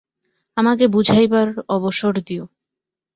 আমাকে বুঝাইবার অবসর দিয়ো।